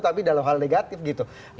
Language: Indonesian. tapi dalam hal negatif gitu